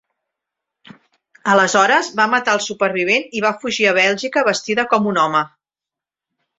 Aleshores, va matar al supervivent i va fugir a Bèlgica vestida com un home.